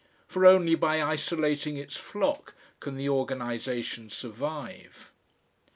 For only by isolating its flock can the organisation survive.